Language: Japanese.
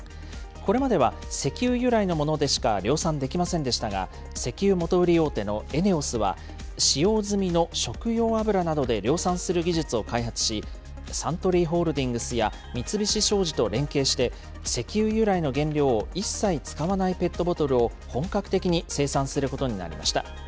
これまでは石油由来のものでしか量産できませんでしたが、石油元売り大手のＥＮＥＯＳは、使用済みの食用油などで量産する技術を開発し、サントリーホールディングスや三菱商事と連携して、石油由来の原料を一切使わないペットボトルを本格的に生産することになりました。